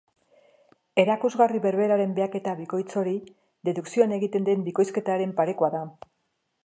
Erakusgarri berberaren behaketa bikoitz hori dedukzioan egiten den bikoizketaren parekoa da.